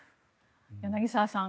柳澤さん